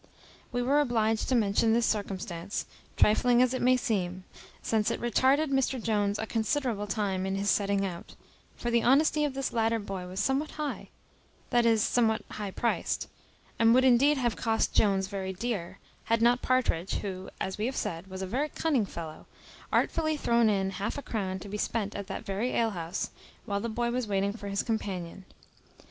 We were obliged to mention this circumstance, trifling as it may seem, since it retarded Mr Jones a considerable time in his setting out; for the honesty of this latter boy was somewhat high that is, somewhat high priced, and would indeed have cost Jones very dear, had not Partridge, who, as we have said, was a very cunning fellow, artfully thrown in half a crown to be spent at that very alehouse, while the boy was waiting for his companion.